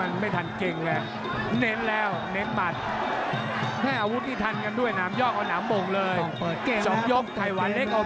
มันไม่ทันเก่งแหละเน้นแล้ว